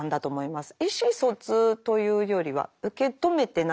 意思疎通というよりは受け止めてなかった。